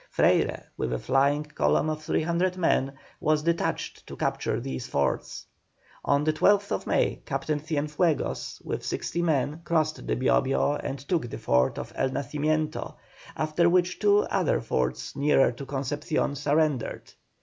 Freyre, with a flying column of 300 men, was detached to capture these forts. On the 12th May, Captain Cienfuegos, with sixty men, crossed the Bio Bio and took the fort of El Nacimiento, after which two other forts nearer to Concepcion surrendered.